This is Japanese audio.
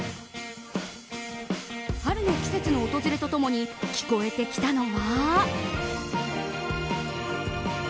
春の季節の訪れと共に聞こえてきたのは。